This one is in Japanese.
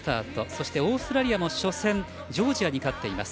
そして、オーストラリアも初戦、ジョージアに勝っています。